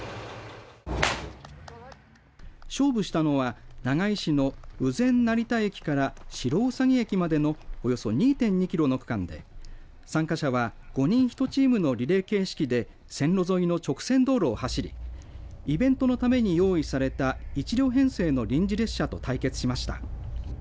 勝負したのは長井市の羽前成田駅から白兎駅までのおよそ２．２キロの区間で参加者は５人１チームのリレー形式で線路沿いの直線道路を走りイベントのために用意された１両編成の臨時列車と対決しました。